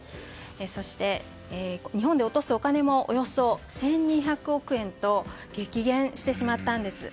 そして、日本に落とすお金もおよそ１２００億円と激減してしまったんです。